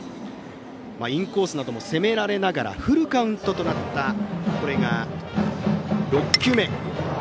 インコースなども攻められながらフルカウントとなった６球目。